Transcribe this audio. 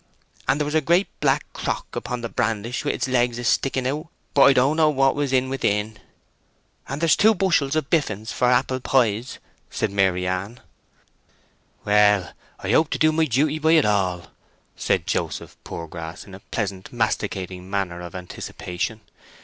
And there was a great black crock upon the brandish with his legs a sticking out, but I don't know what was in within." "And there's two bushels of biffins for apple pies," said Maryann. "Well, I hope to do my duty by it all," said Joseph Poorgrass, in a pleasant, masticating manner of anticipation.